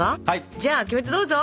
じゃあキメテどうぞ！